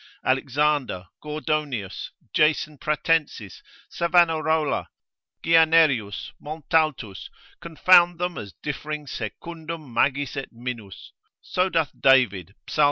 Alexander, Gordonius, Jason Pratensis, Savanarola, Guianerius, Montaltus, confound them as differing secundum magis et minus; so doth David, Psal.